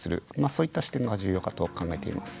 そういった視点が重要かと考えています。